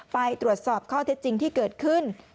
ไปตรวจสอบข้อเท็จจริงที่เกิดขึ้น